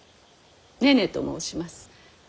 寧々と申します。